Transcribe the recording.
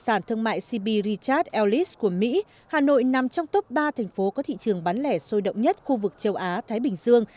chỉ sau bắc kinh và hà nội hà nội nằm trong top ba thành phố có thị trường bán lẻ sôi động nhất khu vực châu á thái bình dương